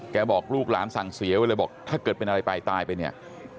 บอกลูกหลานสั่งเสียไว้เลยบอกถ้าเกิดเป็นอะไรไปตายไปเนี่ย